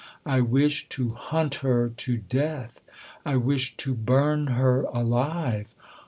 " I wish to hunt her to death ! I wish to burn her alive!"